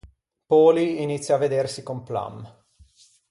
Paulie inizia a vedersi con Plum.